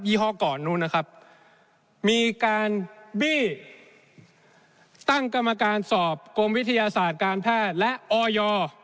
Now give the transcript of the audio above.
ี่ห้อก่อนนู้นนะครับมีการบี้ตั้งกรรมการสอบกรมวิทยาศาสตร์การแพทย์และออย